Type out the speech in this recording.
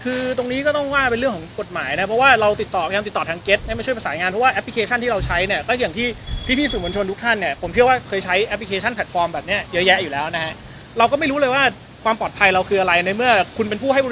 คือตรงนี้ก็ต้องว่าเป็นเรื่องของกฎหมายนะเพราะว่าเราติดต่อพยายามติดต่อทางเก็ตให้มาช่วยประสานงานเพราะว่าแอปพลิเคชันที่เราใช้เนี่ยก็อย่างที่พี่สื่อมวลชนทุกท่านเนี่ยผมเชื่อว่าเคยใช้แอปพลิเคชันแพลตฟอร์มแบบเนี้ยเยอะแยะอยู่แล้วนะฮะเราก็ไม่รู้เลยว่าความปลอดภัยเราคืออะไรในเมื่อคุณเป็นผู้ให้บุ